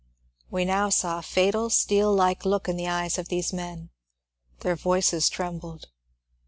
We now saw a fatal steel like look in the eyes of these men ; their voices trembled.